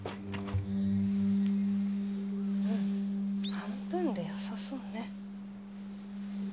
半分でよさそうね。